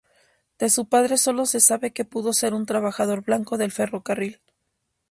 De su padre solo se sabe que pudo ser un trabajador blanco del ferrocarril.